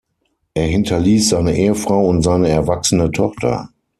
Er hinterließ seine Ehefrau und seine erwachsene Tochter.